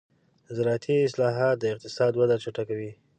زراعتي اصلاحات د اقتصاد وده چټکوي.